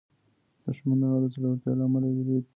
دښمن د هغه د زړورتیا له امله وېرېد.